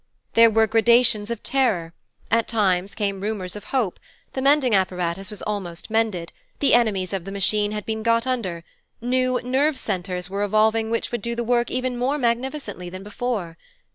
There were gradations of terror at times came rumours of hope the Mending Apparatus was almost mended the enemies of the Machine had been got under new 'nerve centres' were evolving which would do the work even more magnificently than before.